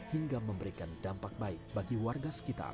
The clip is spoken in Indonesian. hingga memberikan dampak baik bagi warga sekitar